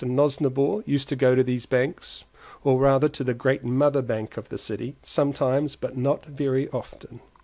Nosnibor used to go to these banks, or rather to the great mother bank of the city, sometimes but not very often.